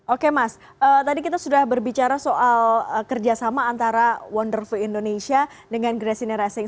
oke mas tadi kita sudah berbicara soal kerjasama antara wonderful indonesia dengan gracine racing